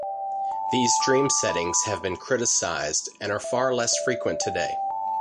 These dream-settings have been criticized, and are far less frequent today.